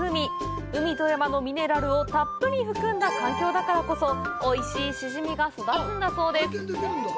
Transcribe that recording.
海と山のミネラルをたっぷり含んだ環境だからこそおいしいシジミが育つんだそうです。